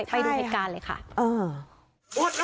ใช่ไปดูรายการเลยค่ะเออ